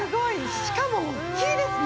しかも大きいですね！